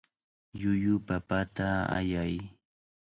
Llullu papata allay.